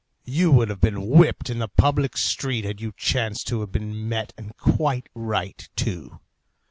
You would have been whipped in the public street had you chanced to have been met, and quite right, too.